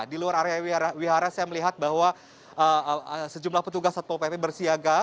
di luar area wihara saya melihat bahwa sejumlah petugas satpol pp bersiaga